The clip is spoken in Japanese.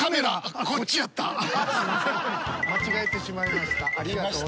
間違えてしまいました。